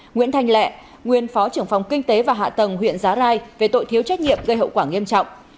nguyễn thanh lẹ nguyên phó trưởng phòng kinh tế và hạ tầng huyện giá rai về tội thiếu trách nhiệm gây hậu quả nghiêm trọng